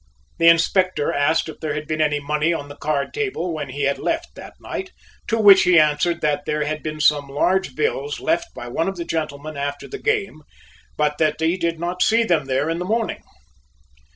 The Inspector asked if there had been any money on the card table when he had left that night, to which he answered that there had been some large bills left by one of the gentlemen after the game, but that he did not see them there in the morning.